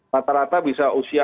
rata rata bisa usia